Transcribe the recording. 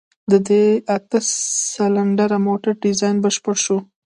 د دې اته سلنډره موټر ډيزاين بشپړ شو.